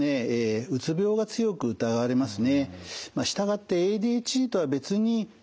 うつ病が強く疑われますね。